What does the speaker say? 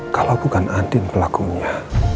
kalau bukan andin pelakunya